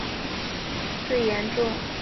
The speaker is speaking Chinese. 肩部的外旋活动受到限制的情形最严重。